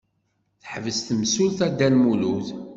Teḥbes temsulta Dda Lmulud.